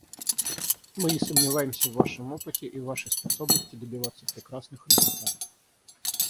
Мы не сомневаемся в Вашем опыте и в Вашей способности добиваться прекрасных результатов.